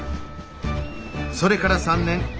それから３年。